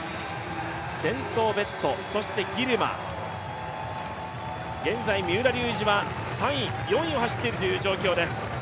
先頭ベット、そしてギルマ、現在三浦龍司は３位、４位を走っている状況です。